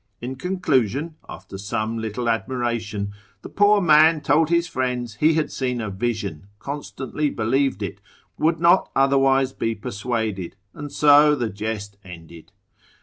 In conclusion, after some little admiration, the poor man told his friends he had seen a vision, constantly believed it, would not otherwise be persuaded, and so the jest ended.